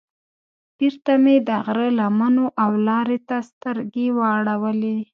بېرته مې د غره لمنو او لارې ته سترګې واړولې.